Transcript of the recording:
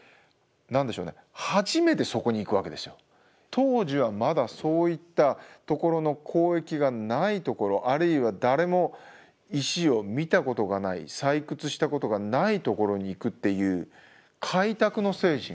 当時はまだそういったところの交易がないところあるいは誰も石を見たことがない採掘したことがないところに行くっていう開拓の精神。